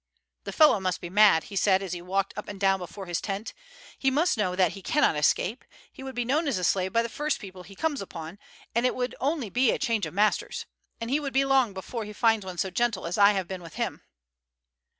"The fellow must be mad," he said as he walked up and down before his tent; "he must know that he cannot escape; he would be known as a slave by the first people he comes upon, and it would only be a change of masters, and he would be long before he finds one so gentle as I have been with him."